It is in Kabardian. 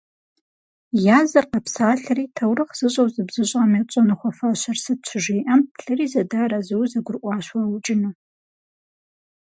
Языр къэпсалъэри «таурыхъ зыщӏэу зыбзыщӏам етщӏэну хуэфащэр сыт?»- щыжиӏэм, плӏыри зэдэарэзыуэ зэгурыӏуащ уаукӏыну.